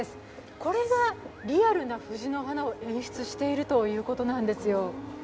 これがリアルな藤の花を演出しているということなんですよ。